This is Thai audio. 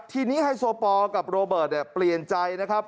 ทีนี้ไฮโซปอลกับโรเบิร์ตเปลี่ยนใจนะครับ